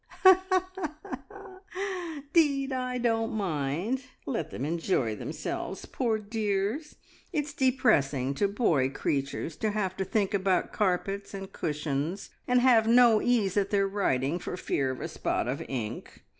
"'Deed, I don't mind. Let them enjoy themselves, poor dears. It's depressing to boy creatures to have to think about carpets and cushions, and have no ease at their writing for fear of a spot of ink.